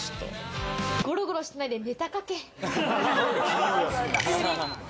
ゴロゴロしてないでネタ書け。